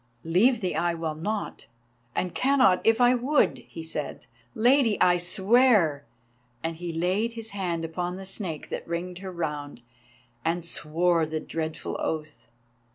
"Leave thee I will not, and cannot if I would," he said. "Lady, I swear!" And he laid his hand upon the Snake that ringed her round, and swore the dreadful oath.